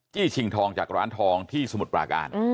ชิงทองจากร้านทองที่สมุทรปราการ